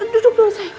duduk dulu sayang